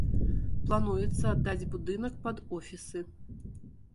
Плануецца аддаць будынак пад офісы.